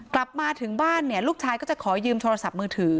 กลับมาถึงบ้านเนี่ยลูกชายก็จะขอยืมโทรศัพท์มือถือ